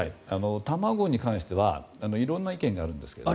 卵に関しては色んな意見があるんですけども。